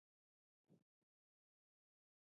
پښتون ژغورني غورځنګ پښتني ورورګلوي لا خوږه کړه.